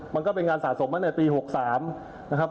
มันก็เป็นงานสะสมมาตั้งแต่ปี๖๓นะครับ